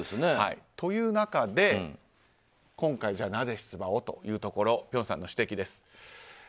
こういう中で今回なぜ出馬をというところ辺さんの指摘です。